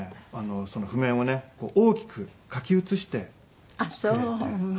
その譜面をね大きく書き写してくれて。